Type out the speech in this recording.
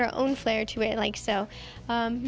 dan membuatnya sendiri